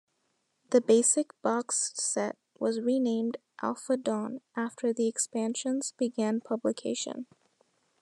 The basic boxed set was renamed "Alpha Dawn" after the expansions began publication.